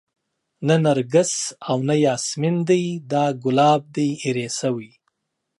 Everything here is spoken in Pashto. نه نرګس او نه ياسمن دى دا ګلاب دى ايرې شوى